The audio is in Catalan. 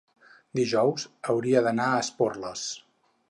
Dijous hauria d'anar a Esporles.